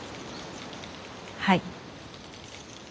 はい。